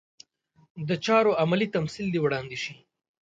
د چارو عملي تمثیل دې وړاندې شي.